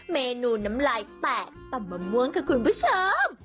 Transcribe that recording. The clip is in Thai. เมนูน้ำลายแตะต่อมะม่วงค่ะคุณผู้ชม